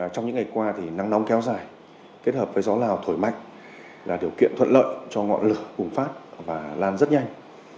trong những ngày qua thì nắng nóng kéo dài kết hợp với gió lào thổi mạnh là điều kiện thuận lợi cho ngọn lửa bùng phát và lan rất nhanh